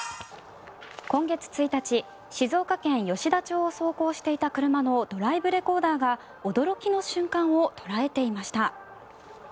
今月１日静岡県吉田町を走行していた車のドライブレコーダーが驚きの瞬間を捉えていました。